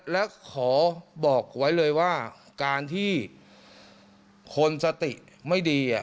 และขอบอกไว้เลยว่าการที่คนสติไม่ดี